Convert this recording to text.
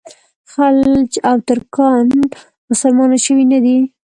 خلج او ترکان مسلمانان شوي نه دي.